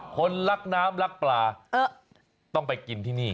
คนรักน้ำรักปลาต้องไปกินที่นี่